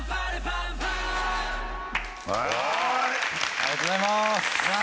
ありがとうございます！